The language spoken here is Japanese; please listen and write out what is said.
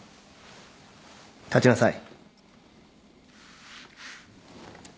立ちなさい。